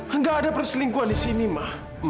enggak ada perselingkuhan disini ma